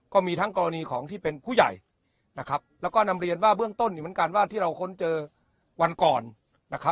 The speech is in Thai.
ก็มีทั้งกรณีของที่เป็นผู้ใหญ่นะครับแล้วก็นำเรียนว่าเบื้องต้นเหมือนกันว่าที่เราค้นเจอวันก่อนนะครับ